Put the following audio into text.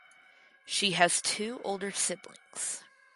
She has two older siblings.